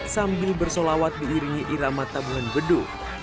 sambil bersolawat diiringi irama tabungan bedu